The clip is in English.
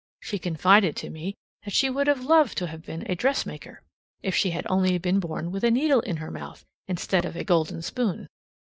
She confided to me that she would have loved to have been a dressmaker, if she had only been born with a needle in her mouth instead of a golden spoon.